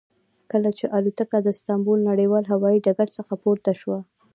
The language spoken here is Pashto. کله چې الوتکه له استانبول نړیوال هوایي ډګر څخه پورته شوه.